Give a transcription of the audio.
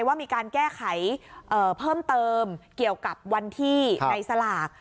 ว่ามีการแก้ไขเพิ่มเติมเกี่ยวกับวันที่ในสลาก